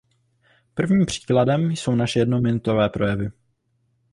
Prvním příkladem jsou naše jednominutové projevy.